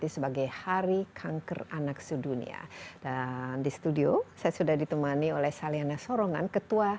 sebagai hari kanker anak sedunia dan di studio saya sudah ditemani oleh saliana sorongan ketua